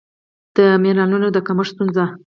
د مېنرالونو د کمښت ستونزه